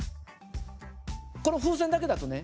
この風船だけだとね